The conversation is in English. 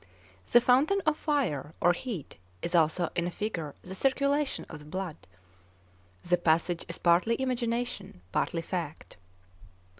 The 'fountain of fire' or heat is also in a figure the circulation of the blood. The passage is partly imagination, partly fact.